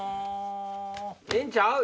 ええんちゃう？